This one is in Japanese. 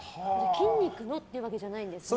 筋肉のというわけじゃないんですね。